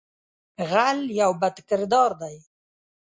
غل یو بد کردار دی